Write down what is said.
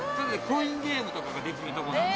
コインゲームとかができる所えー？